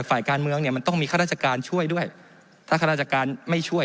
ฝ่ายการเมืองเนี่ยมันต้องมีข้าราชการช่วยด้วยถ้าข้าราชการไม่ช่วย